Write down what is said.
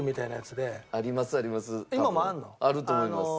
あると思います。